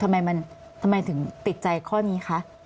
ทำไมถึงติดใจข้อนี้คะ